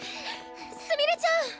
すみれちゃん！